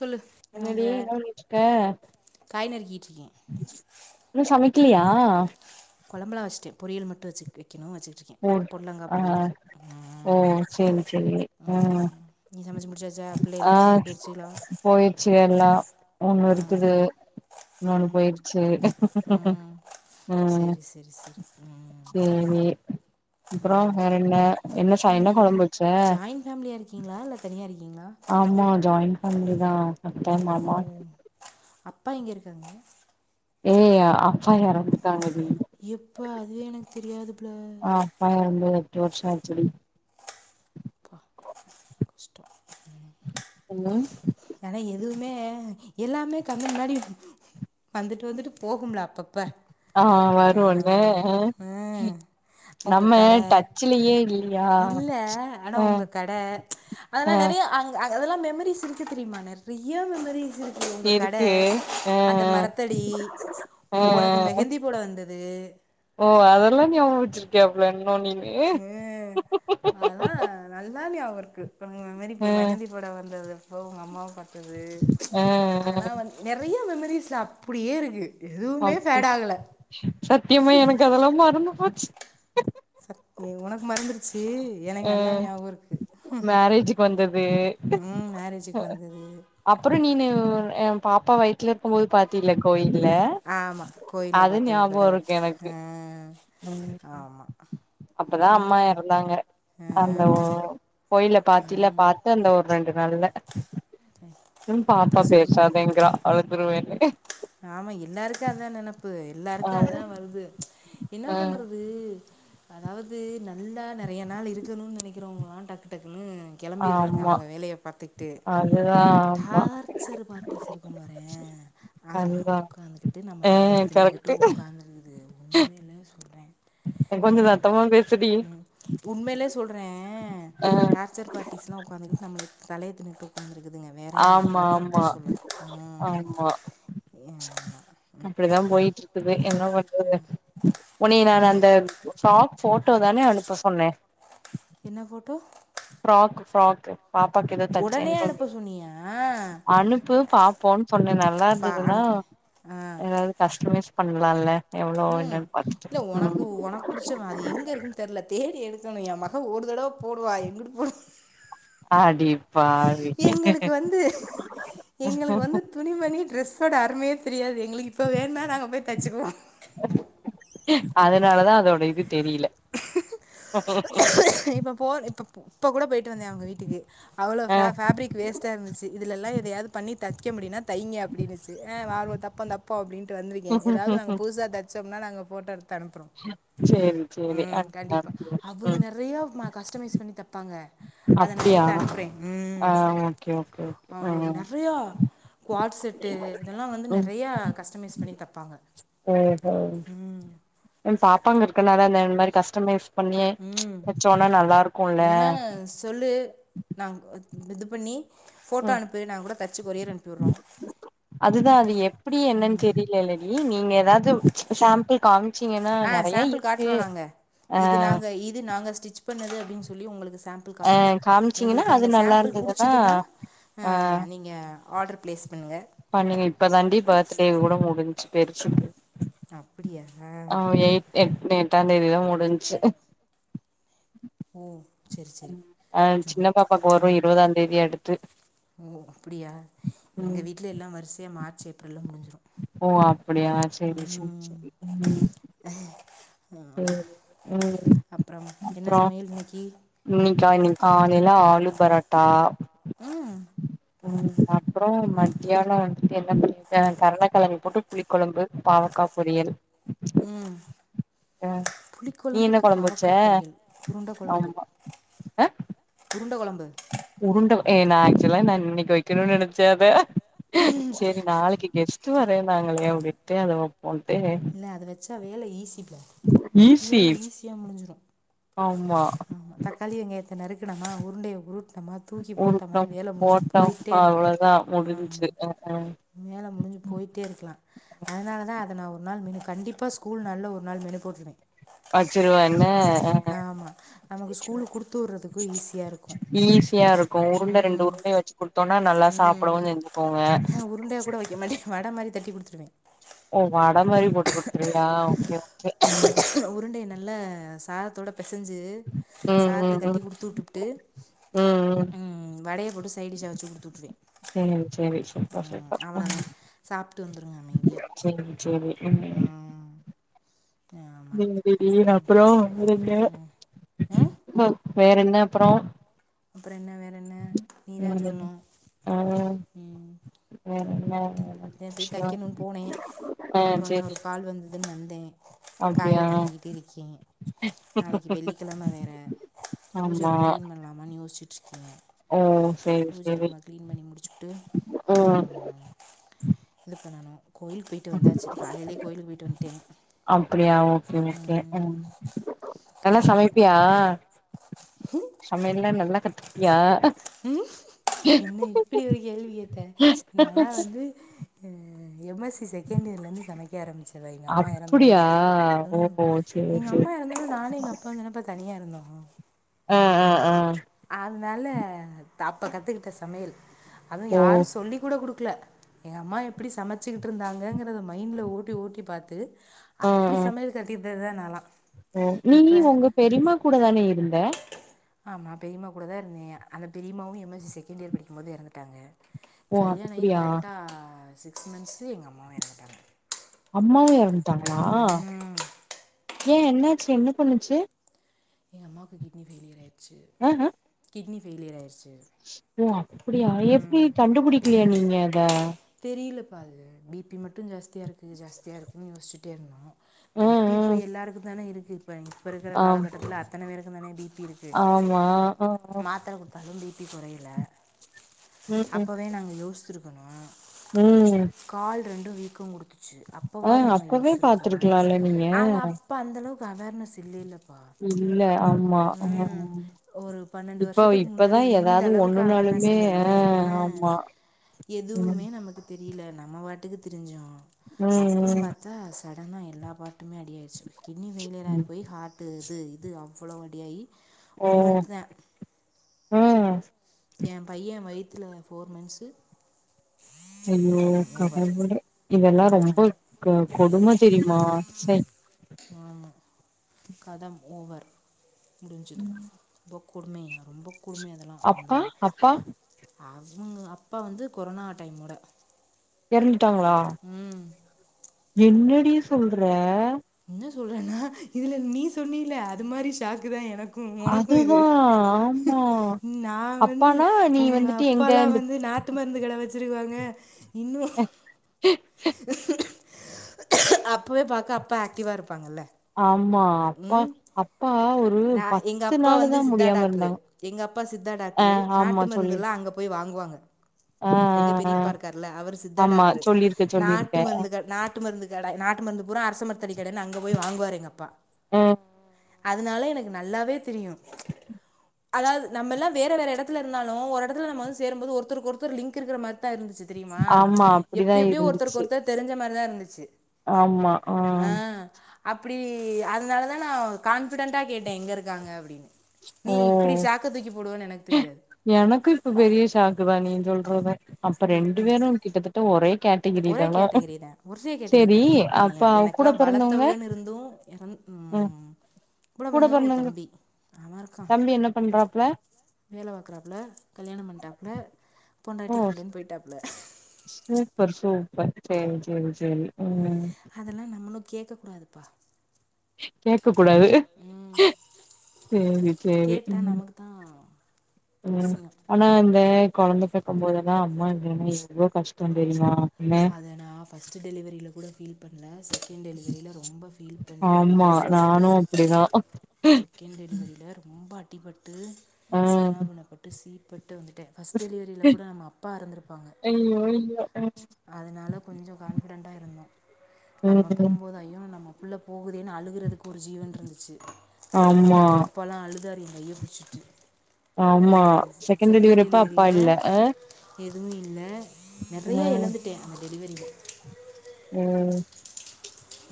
சொல்லு என்னடி என்ன பண்ணிட்டிருக்க காய் நறுக்கிட்டிருக்கே இன்னு சமைக்கிலியா கொழம்பெல்லா வெஸ்ட்டே பொரியல் மட்டு வெச்சு வெக்கிணோ வெச்சிட் க ஓ பொட்லங்கா ஆ பொரியலுக்கு ஆ ஓ சேரி சேரி ஆ ம் நீ சமச்சி முடிச்சாச்சா ஆ பிள்ளைகள்லா ஸ்கூலுக்கு போயிடுச்சிகளா போயிடுச்சு எல்லா ஒண்ணு ம் இருக்குது ம் இன்னொன்னு ம் போயிடுச்சு ம் செரி செரி செரி ம் தேனீர் அப்றோ என்ன வேற பண்ணுறீங்க என்ன என்ன சாய்னா என்ன நீங்கள் கொழம்பு வெச்ச ஜாயின்ட் ஃபேமிலியாக இருக்கீங்களா இல்லை தனியாக இருக்கீங்களா ஆமா ஜாயின் ஃபேமிலி தா ஓ அப்பா எங்க இருக்காங்க ஏய் அப்பா எறந்துடாங்கடி எப்ப அதுவே எனக்கு தெரியாது பிள்ள ஆ அப்பா எறந்து எட்டு வருஷோ ஆயிட்சி டி பா கஷ்டோ ம் என்னா ஏனா எதுவுமே எல்லாமே கன்ணு முன்னாடி வந்துட்டு வந்துட்டு போகும்லா அப்பப்ப ஆ ஆ ம் உங்க கட டச்சிலையே இல்லையா இல்ல ஆனா உங்க கட அதெல்லா அ நெறைய அங் அதெல்லா மெமரிஸ் இருக்கு தெரியுமா நெறைய மெமரிஸ் இருக் உங்க கட இருக்கு ஆ அந்த மரத்தடி ஆ ஆ உனக்கு மெகந்தி போட வந்தது ஓ அதெல்லா ஞாபோ வெச்சிருக் அ அதுலா நல்லா ஞாபகோ இருக்கு பழைய மெமரி ஆ அப்ப மெஹந்தி போட வந்தது அப்போ உங்க அம்மாவ பாத்தது ஆ ஆ அதெல்லா வந்து நெறையா மெமரிஸ்ல அப்டியே இருக்கு எதுவுமே அப்டி ஃபேடாகல சத்தியமா எனக்கு அதெல்லா மறந்து போச்சு சத்தியமா உனக்கு மறந்துரு ச்சி ஆ எனக்கு நல்லா ஞாபகோ இருக்கு ம் மேரேஜுக்கு வந்தது ம் மேரேஜுக்கு வந்தது அப்றோ நீனு எ பாப்பா வய்த்துல இருக்கும்போது பாத்தில கோயில்ல ஆமா கோயில்ல அது பாத்தே ஒரு ஞாபகோ தடவ இருக்கு எனக்கு ஆ ம் ஆமா அப்பதா இந்து அம்மா ம எறந்தாங்க ஆ அந்த ஆமா கோயில்ல பாத்தில்ல பாத்து அந்த ஒ ரெண்டு நாள்ல பாப்பா என்னத்த சொல்ல பேசாதேங்கிறா அழுதுருவேனு ஆமா எல்லாருக்கு அதா நெனப்பு ஆ எல்லாருக்கு அதா வருது என்ன ஆ பண்ற து அதாவுது நல்லா நெறைய நாளு இருக்கணு நெனைக்கிறவங்களா டக் டக்குன்னு கெளம்பிறாங்க ஆமா அவுங்க வேலைய பாத்துக்ட்டு அதுதா ஆமா டார்ச்சர் பார்ட்டிஸ் இருக்கும் பாறே அதெல்லா அதுதா உக்காந்துக்கிட்டு நம்ம ஆ தலைய தின்னுக்கிட்டு கரெக்ட்டு உக்காந்திருந்து உண்மைலே சொல்றே எ கொஞ்ச சத்தமா பேசுடி உண்மையிலே சொல்றே ஆ டார்ச்சர் பார்ட்டிஸ்லா உக்காந்துக்ட்டு நம்ளைய தலைய தின்னுட்டு உக்காந்திருக்குதுங்க வேற என்ன ஆமா வேற என்னத்த ஆமா சொல்ல ம் ஆமா ஆமா. அப்டிதா போயிட்ருக்குது என்ன பண்றது உனைய நா அந்த ஃப்ராக் போட்டோ தான அனுப்ப சொன்னே என்ன போட்டோ ஃப்ராக்கு ஃப்ராக்கு பாப்பாக்கு எதோ உடனே தச்சேன்னு அனுப்ப சொல்லி சொன்னியா அனுப்பு பாப்போன் சொன்னே நல்லா பா இருந்ததுன்னா அனுப்புகிறேன் ஆ எதாவ்து கஸ்டமைஸ் பண்லால்ல ம் இல்ல ஒனக்கு ஒனக் புடிச்ச மாரி அது எங்கிருக்குன் தெர்ல தேடி எடுக்கணு எ மக ஒரு தடவ போடுவ எங்கிட்டு போடுவா அடிப் எங்களுக்கு வந்து எங்களுக்கு வந்து துணிமணி டிரெஸ்ஸோட அருமையே தெரியாது எங்ளுக்கு இப்போ வேணுனா நாங்க போய் தச்சுக்குவோ [inaudible] அதனாலதா அதோட இது தெரியில ஹ இப்ப போ இப்ப இப்ப கூட போயிட்டு வந்தே அவுங்க வீட்டுக்கு அவ்ளோ ஆ ஃபேப் ஃபேப்ரிக் வேஸ் ட்டா இருந்துச்சி இதுல எல்லா எதையாவுது பண்ணி தைக்க முடியும்னா தைங்க அப்டின்னுச்சு அ வா [unintelligible] போ அப்டின்ட்டு வந்திருக்கே எதாவ்து நாங்க புதுசா தைச்சோம்னா நாங்க போட்டோ எடுத்து அனுப்றோ சேரி சேரி ம் அனுப்புங்க கண்டிப்பா அனுப்புங்க ம் அவுங்க நெ றையா ம கஸ்டமைஸ் பண்ணி தெப்பாங்க அத நா அப்டியா எடுத்து அனுப்றே ஆ ம் ஓகே ஓகே ஓகே ஆ அவுங்க நெறையா குவாட் செட்டு இதெல்லா வந்து நெறையா கஸ்டமைஸ் பண்ணி தெப்பாங்க ஓ ஓ ம் உ பாப்பாங்க இருக்கனால அந் அந்த மாரி கஸ்டமைஸ் பண்ணி ம் தெச்சோனா நல்லா இருக் வேணா சொல்லு நாங் இது பண்ணி போட்டோ ம் அனுப்பு நாங் கூட தெச்சு கொரியர் அனுப்பி உட்றோ ம் இல்லல்லடி நீங்க எதாவுது சாம்பிள் காம்ச்சீங்கன்னா ஆ சேம்ப்பிள் காட்றோ நாங்க இது நாங்க இது நாங்க ஸ்டிச் பண்ணது அப்டின் சொல்லி உங்களுக்கு சேம்ப்பிள் ஆ காட்றோ காமிச்சீங்கன்னா உங்களுக்கு அது அந்த நல்லா சேம்ப்பிள் இருந்ததுன்னா புடிச்சிதுன்னா அ ஆ நீங்க ஆட்ரு ப்ளேஸ் பண்ணுங்க பண்ணினே இப்ப தாண்டி பர்த்டே கூட முடிஞ்சு போய்ருச்சு அப்பிடியா ஆ எய்ட் எட் எட்டாந்தேதிதா முடின்ச்சு ஓ சரி சரி அ ஜூன் சின்ன பாப்பாக் வரு இருவதாந்தேதி அடுத்து ஓ அப்பிடியா ம் எங்க வீட்ல எல்லா வரிசையா மார்ச் ஏப்ரல்ல முடிஞ்சு ஓ அப்பிடியா செரி செரி செரி ம் ம் ஆமா ம் அப்றம் என்ன சமையல் இன்னைக்கி இன்னிக்கா இன்னிக் காலைல ஆலு பராட்டா ம் ம் ம் அப்றோ மத்தியானோ வந்துட்டு என்ன பண்ணீட்ட கருணக்கெழங்கு போட்டு புளிக்கொழம்பு பாவக்கா பொரியல் ம் ம் அ நீ என்ன புளிக்கொழம்புக்கு கொழம்பு வச்ச பாவக்கா பொரியல் உருண்ட கொழம்பு ஆமா அ உருண்ட கொழம்பு உருண்ட ஏ நா ஆக்சுலா நா இன்னிக் வெக்கணுன் நெனச்ச அத செரி நாளைக்கி கெஸ்ட்டு வர்றேனாங்களே அப்டின்ட்டு அத வெப்போன்ட்டு இல்ல அத வெச்சா வேல ஈஸி புள்ள ஈஸி வேல ஈஸியா முடிஞ்சுரு ஆமா ஆமா தக்காளி, வெங்காயத்த நறுக்கினமா உருண்டைய உருட்னமா தூக்கி உருண்ட போட்டமானு வேல முடிஞ்சுட்டு போட்டோ போய்ட்டே இருக்கு அவ்ளோதா ஆ ஆமா முடிஞ்ச்சு அ அ ம் வேல முடிஞ்சு போய்ட்டே இருக்கலா அதனால தா அத நா ஒ ரு நாள் மெனு கண்டிப்பா ஸ்கூல் நாள்ல ஒரு நாள் மெனு போட்ருவே ஆக்சுலா என்ன ஆ ஆமாம் நமக்கு ஸ்கூலுக்கு கொடுத்து விட்றதுக்கும் ஈஸியாக இருக்கும் ஈஸியா இருக்கு உருண்ட ரெண்டு ம் உருண்டய வச்சு குடுத்தோன்னா நல்லா சாப்டவு செஞ்சுக்குங்க உருண்டைய கூட வெக்க மாட்டே வட மாரி தட்டி குடுத்துருவே ஓ வட மாரி போட்டு குட்த்துருவியா ஓகே ஓகே ம் உருண்டைய நல்ல சாதத்தோட பெசஞ்சு ம் சாத்த ம் கட்டி ம் குடுத்து உட்டுப்ட்டு ம் வடைய போட்டு சைடிஷ்ஷா வெச்சு குடுத்துட்ருவே சேரி சேரி சூப்பர் சூப்பர் ம் சாப்ட்டு வந்துருவா அமைதியா சேரி சேரி ம் ஆமாம் [unintelligible] திடீர்ன் அப்றோ வேறென்ன ம் வேறென்ன அப்றோ அப்றோ என்ன வேற என்ன நீதா வேறென்ன சொல்ணு ஆ ம் வேறென்ன நேத் போய் விஷ்யோ தைக்கணுன் போனே ஆ அப்றோ இன்னோரு சேரி கால் வந்து துன் வந்தே காய அப்டியா நறுக்கீட்டு இருக்கே நாளைக்கு வெள்ளிக்கெழம வேற பூஜ ஆமா ரூம் க்ளீன் பண்லாமான் யோஸ்ச்சிட்ருக்கே ஓ சேரி சேரி க்ளீன் பண்ணி முடிச்சுப்ட்டு ம் இது பண்ணனு கோயில்க் போய்ட்டு வந்தாச்சு காலைலே கோயிலுக் போய்ட்டு வந்ட்டே அப்டியா ஓகே ஓகே நல்லா சமைப்பியா ம் சமையல்லா நல்லா கத்துக்கிட்டியா ம் என்ன இப்புடி ஒரு கேள்வி கேட்டே நா ல்லா வந்து அ எம் எஸ் சி செகண்டியர்லர்ந்து சமைக்க ஆரம்பிச்சதா எங்க அம்மா அப்டியா எறந்தவொன்னே ம் ஓ சேரி எங்க சேரி அம்மா எறந்ததும் நானு எங்க அப்பாவுந்தானப்ப தனியா இருந்தோ ஆ ஆ ஆ அதனால அப்ப கத்துக்கிட்ட சமையல் அதுவு ஓ யாரு சொல்லி கூட குடுக்கல எங்கள் அம்மா எப்புடி சமைச்சிக்கிட்டு இருந்தாங்கங்கிறத மைண்ட்ல ஓட்டி ஓட்டி பாத்து ஆ அப்புடி ஆ சமையல் கத்துக்கிட்டதுதா நால்லா ஓ நீ நீ உங்க பெரியமா கூட தானே இருந்த ஆமா பெரீயமா கூட தா இருந்தே அந்த பெரியம்மாவு எம் எஸ் சி செகண்டியர் படிக்கும்போது எறந்துட்டாங்க ஓ கல்யாணாயி அப்டியா கரெக்டா சிக்ஸ் மந்த்ஸு எங்க அம்மாவு எறங்துட்டாங்க அம்மாவு எறந்துட்டாங்களா ம். ஏ என்னாச்சு என்ன பண்ணுச்சு ஏ அம்மாக்கு கிட்னி ஃபெயிலியராயிச்சு ஹ ஹ கிட்னி ஃபெயிலியர் ஆயிறுச்சு ஓ அப்புடியா எப்டி கண்டுபிடிக்கலையா நீங்க அத தெரியலப்பா அது பி பி மட்டு ஜாஸ்தியா இருக்கு ஜாஸ்தியா இருக்குதுன்னு யோசிச்ட்டே இருந்தோ ஆ பி பி ஆ இப்ப எல்லாருக்கு தானே இருக்கு இப்ப இப்ப இருக்குற ஆம் காலகட்டத்துல அத்தன பேருக்குந்தானே பி பி இருக்கு ஆமா ஆ ஆ மாத்தர கு த்தாலோ பி பி கொறயல அப்போவே நாங்க யோசித்துருக்கணோ உம் கால் ரெண்டு வீக்கோ குடுத்துச்சு ஆ அப்பவாது நாங்க அப்பவே யோசிச்சிருக்கணோ பாத்துருக்கலால்ல நீங்க அத அப் இப்ப அந்தளவுக்கு அவேர்னஸ் இல்லீலப்பா இல்ல ஆமா ஆ ம் ஆ ஒரு பன்னெண்டு இப்போ வர்ஷத்துக்கு இப்பதா முன்னாடி இந்த ஏதாவது அளவுக்கு அவேர்னஸ் ஒண்ணுனாலுமே இல்ல ஆ இல்லவே ஆமா ம் எதுவுமே நமக்கு தெரியுல நம்ம வாட்டுக்கு திரிஞ்சோ அப்புறம் ம் பா த்தா சடனா எல்லா பார்ட்டுமே அடியாட்ச்சு கிட்னி ஃபெயிலியரா ம் போய் ஹார்ட்டு இது இது அவ் வளோவு அடியாயி ஓ ம் எ பைய வயித்துல ஃபோர் மந்த்ஸு ஐயோ கதை ஓவர் கடவுளே இதெல்லா ரொம்ப ம் க கொடும தெரியுமா ச்ச ஆமா கதம் ஓவர் முடிஞ்சுது கொடுமையா ரொம்போ கொடுமையா இர் அப்பா அப்பா அவுங்க அப்பா வந்து கொரோனா டைமோட எறந்துட்டாங்களா ம் என்னடி சொல்ற என்ன சொல்றேன்னா இதுல நீ சொன்னீல்ல அது மாதிரி ஷாக்கு தா எனக் க்கும் உனக்கு இது அதுதா ஆமா நா வந்து அப்பானா நீ உங்க வந்துட்டு எங்க அப்பால்லா இந்த வந்து நா ட்டு மருந்து கட வெச்சிருக்குவாங்க இன்னு அப்பவே பாக்க அப்பா ஆக்டிவ்வா இருப்பாங்கல்ல ஆமா அப்பா ம் அப்பா ஒரு நா எங்க பத்து அப்பா நாளு வந்து தா சித்தா முடியாம டாக்டுரு இருந்தாங்க எங்க அப்பா சித்தா ஆ டாக்டுரு ஆமா நாட்டு மருந்துலா சொல்லிருக்க அங்கப் போய் வாங்குவாங்க ஆ எங்க ஆ ஆ பெரியப்பா இருக்கார்ல அவர் சித்தா ஆமா டாக்டரு சொல்லிருக்க நாட்டு சொல்லிருக்க மருந்துக நாட் டு மருந்து கட நாட்டு மருந்து பூரா அரச மரத்தடி கட அங்க போய் வாங்குவாரு எங்கப்பா ம் அதுனால எனக்கு நல்லாவே தெரியு அதாவது நம்ம எல்லா வேற வேற எடத்துல இருந்தாலு ஒரு எடத்துல நம்மந்து சேருபோது ஒருத்தருக் ஒருத்தர் லிங்க் இருக்கிற மாரிதா இருந்துச்சு தெரியுமா ஆமா அப்படிதா எப்டி எப்பிடியோ ஒருத்தருக்கு இருந்துச்சு ஒருத்தர் தெரிஞ்ச மாரிதா இருந்துச்சு ஆமா ஆ அ அப்டி அதனாலதா நா கான்ஃபிடன்ட்டா கேட்டே எங்க இருக்காங்க அப்டின்னு ஓ நீ இப்டி ஷாக்க தூக்கி போடுவேன்னு எனக்குத் தெரியாது எனக்கு இப்ப பெரிய ஷாக்கு தா நீ சொல்றது அப்ப ம் ரெண்டு ம். பேரு கிட்டத்தட்ட ஒரே காட் டிகிரி ஒரே தானா கேட்டகரி தான் ஒரே கேட்டகரி சேரி தான் என்னை அப்ப அவ கூட எனக்கெல்லாம் பொறந்தவங்க வளர்த்தவங்கன்னு இருந்தும் அ கூடப் பொறந்தவங்க ஒரு தம்பி தம்பி என்ன பண்றாப்ல வேல பாக்குறாப்ல கல்யாணம் பண்ணிட்டாப்புல ஓ பொண்டாட்டி புள்ளன்னு போய்டாப்புல சூப்பர் சூப்பர் சேரி சேரி சேரி ம் அதெல்லா நம்மளு கேக்கக்கூடாதுப்பா கேக்கக் கூடாது சேரி சேரி கேட்டால் ம் நமக்கு தான் ம் அசிங்கம் ஆனா இந்த கொழந்த பெக்கு போதுல்லா அம்மா இலனா எவ்ளோ கஷ்டோந் தெரியுமா அப்படின அத நா ஃபஸ்டு டெலிவரில கூட ஃபீல் பண்ணல செக் ண்ட் டெலிவரில ரொம்ப ஃபீல் பண்ணி ஆமா அடிபட்டு வந்துட்டே நானு அப்படிதா செகண்ட் டெலிவரியில ரொம்ப அடிப்பட்டு ஆ சின்னா பின்னாப்பட்டு சீப்பட்டு வந்துட்டே ஃபஸ்ட் டெலிவரியில கூட நம்ம அப்பா இருந்திருப்பாங்க அய்யோ இல்ல ஆ அதனால கொஞ்சோ கான்ஃபிடென்ட்டா இருந்தோ நம்ம ம் போகுபோது ஐயோ நம்ம புள்ள போகுதேன்னு அழுகிறதுக்கு ஒரு ஜீவன் இருந்துச்சு ஆமா எங்க அப்பலா அழுதாரு எங் கையப் பிடிச்சிகிட்டு அ ஆமா டெலிவரி செகண்ட் அப்ப அப்பா டெலிவரியில இல்ல அ எதுவும் இல்ல நெறைய ம் எழந்துட்டே அந்த டெலிவரியில ம்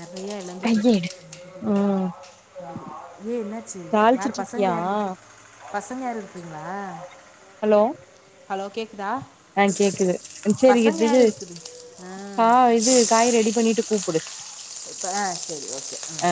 நிறையா இழந்துட்டேன் கைய எடு ம் ஏ என்னாச்சு யாரு தாளிச்சிட்டு பசங்க இருக்கியா யாரு பசங்க யாரு இருக்குங்களா ஹலோ ஹலோ கேக்குதா ஆ கேக்குது ஆ சேரி இது ஆ தா இது பாய் ரெடி பண்ணிட்டு கூப்டு ஆ சேரி ஓகே ம்